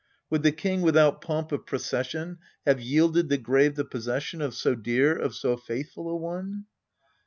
Would the king without pomp of pro cession have yielded the grave the possession Of so dear, of so faithful a one